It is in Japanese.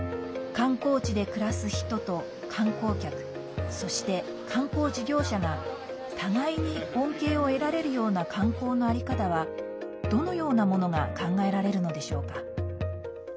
観光地で暮らす人と観光客そして、観光事業者が互いに恩恵を得られるような観光のあり方はどのようなものが考えられるのでしょうか。